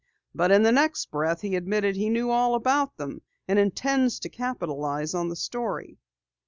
"But in the next breath he admitted he knew all about them and intends to capitalize on the story."